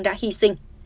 đã hy sinh